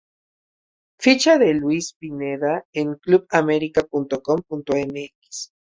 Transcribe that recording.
Ficha de Luis Pineda en clubamerica.com.mx